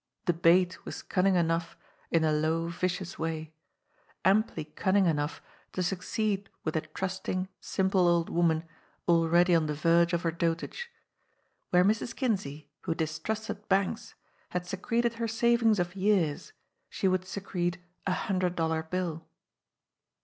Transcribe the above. The bait was cunning enough in a low, vicious way ; amply cunning enough to succeed with a trusting, sim ple old woman already on the verge of her dotage. Where Mrs. Kinsey, who distrusted banks, had secreted her savings of years, she would secret a hundred dollar bill.